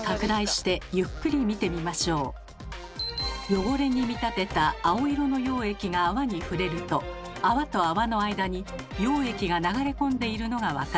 汚れに見立てた青色の溶液が泡に触れると泡と泡の間に溶液が流れ込んでいるのが分かります。